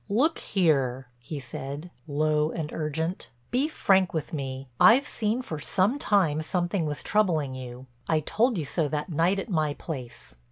"Look here," he said, low and urgent, "be frank with me. I've seen for some time something was troubling you—I told you so that night at my place.